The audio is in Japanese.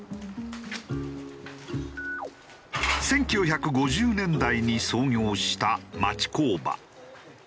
１９５０年代に創業した町工場。